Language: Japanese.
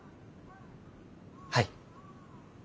はい。